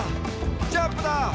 ジャンプだ！」